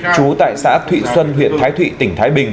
trú tại xã thụy xuân huyện thái thụy tỉnh thái bình